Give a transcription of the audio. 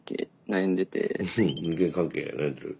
うん人間関係悩んでる。